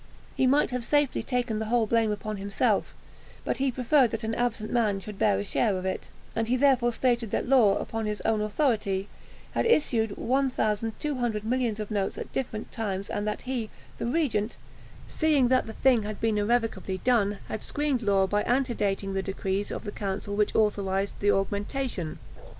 He might have safely taken the whole blame upon himself, but he preferred that an absent man should bear a share of it; and he therefore stated that Law, upon his own authority, had issued 1200 millions of notes at different times, and that he (the regent), seeing that the thing had been irrevocably done, had screened Law by antedating the decrees of the council which authorised the augmentation.